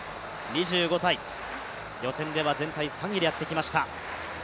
２５歳、予選では全体３位でやって来ました。